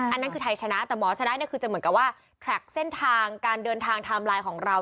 อันนั้นคือไทยชนะแต่หมอชนะเนี่ยคือจะเหมือนกับว่าผลักเส้นทางการเดินทางไทม์ไลน์ของเรา